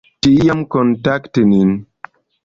Tiam kontakti nin.